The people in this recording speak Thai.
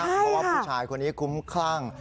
เพราะว่าผู้ชายคนนี้คุ้มคลั่ง